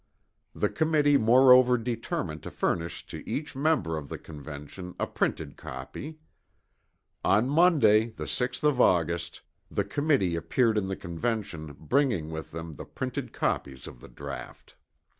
The committee moreover determined to furnish to each member of the Convention a printed copy. On Monday, the 6th of August, the Committee appeared in the Convention bringing with them the printed copies of the draught.